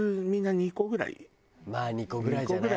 まあ２個ぐらいじゃない？